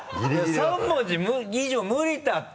３文字以上無理だって！